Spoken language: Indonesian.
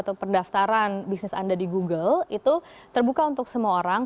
atau pendaftaran bisnis anda di google itu terbuka untuk semua orang